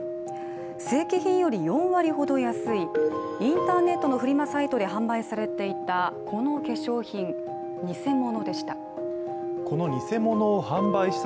正規品より４割ほど安いインターネットのフリマサイトで販売されていたこの化粧品、偽物でした。